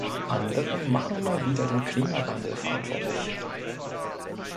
Andere machen mal wieder den Klimawandel verantwortlich.